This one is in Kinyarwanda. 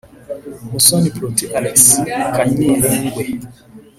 Musoni Protais Alexis Kanyerengwe